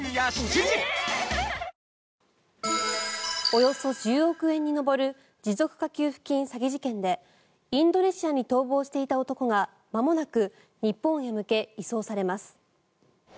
およそ１０億円に上る持続化給付金詐欺事件でインドネシアに逃亡していた男がまもなく日本へ向け移送されます。